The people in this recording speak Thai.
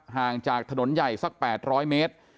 ห่างจากถนนใหญ่สัก๘๐๐เมตร